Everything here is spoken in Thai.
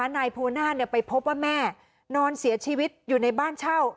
นายภูนาศไปพบว่าแม่นอนเสียชีวิตอยู่ในบ้านเช่า